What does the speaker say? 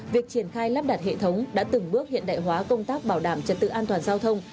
việc triển khai lắp đặt hệ thống đã từng bước hiện đại hóa công tác bảo đảm trật tự an toàn giao thông